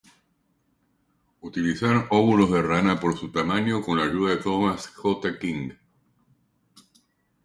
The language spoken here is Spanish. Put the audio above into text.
Utilizaron óvulos de rana por su tamaño, Con la ayuda de Thomas J. King.